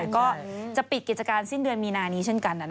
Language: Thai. ก็จะปิดกิจการสิ้นเดือนมีนานี้เช่นกัน